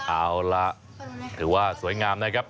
เอาล่ะถือว่าสวยงามนะครับ